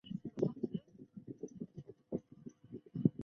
广泛使用氢助长交通是在提议中的氢经济的一个关键因素。